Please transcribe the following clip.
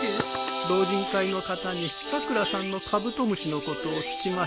老人会の方にさくらさんのカブトムシのことを聞きまして。